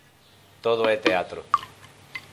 Todo é teatro.